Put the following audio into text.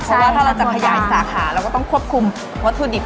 เพราะว่าถ้าเราจะขยายสาขาเราก็ต้องควบคุมวัตถุดิบ